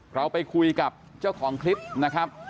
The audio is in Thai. เราไปคุยกับเจ้าของคลิปนะครับ